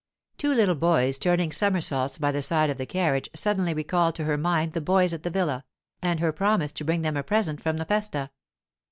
Two little boys turning somersaults by the side of the carriage suddenly recalled to her mind the boys at the villa, and her promise to bring them a present from the festa.